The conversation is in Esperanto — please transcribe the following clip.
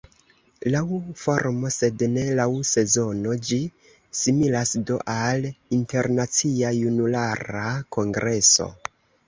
Laŭ formo, sed ne laŭ sezono, ĝi similas do al Internacia Junulara Kongreso.